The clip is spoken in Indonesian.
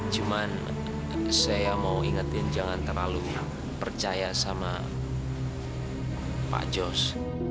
cuman saya mau ingetin jangan terlalu percaya sama pak jos